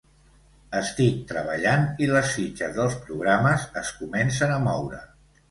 Estic treballant i les fitxes dels programes es començen a moure.